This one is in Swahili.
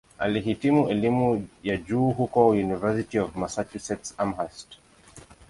Alihitimu elimu ya juu huko "University of Massachusetts-Amherst".